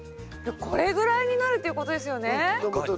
これぐらいになるということですよね？